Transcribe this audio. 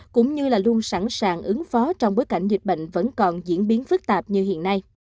cũng như luôn sẵn sàng ứng phó trong bối cảnh dịch bệnh vẫn còn diễn biến phức tạp như hiện nay